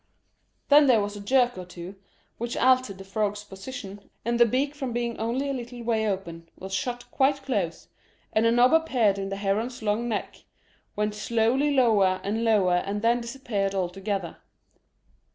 Then there was a jerk or two, which altered the frog's position, and the beak from being only a little way open was shut quite close, and a knob appeared in the heron's long neck, went slowly lower and lower, and then disappeared altogether.